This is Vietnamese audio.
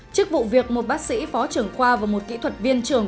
trước vụ việc một bác sĩ phó trưởng khoa và một kỹ thuật viên trường